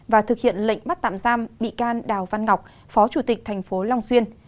và thực hiện lệnh bắt tạm giam bị can đào văn ngọc phó chủ tịch thành phố long xuyên